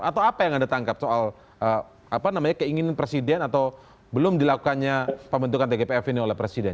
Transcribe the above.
atau apa yang anda tangkap soal keinginan presiden atau belum dilakukannya pembentukan tgpf ini oleh presiden